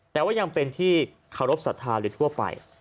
แต่ว่ายังเป็นที่คารพศัฒน์หรือทั่วไป